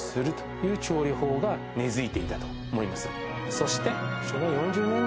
そして。